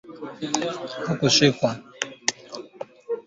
Mtoto akichoma nyumba auwezi mutupia amo